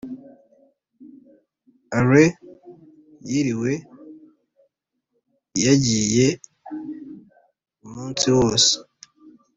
allain yiriwe yagiye umunsi wose